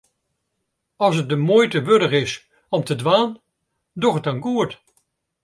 As it de muoite wurdich is om te dwaan, doch it dan goed.